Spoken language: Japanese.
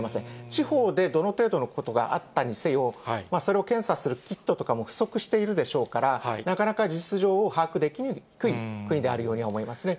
地方でどの程度のことがあったにせよ、それを検査するキットとかも不足しているでしょうから、なかなか実情を把握できにくい国であるように思いますね。